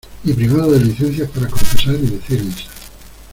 y privado de licencias para confesar y decir misa.